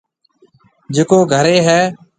جڪو گهريَ هيَ۔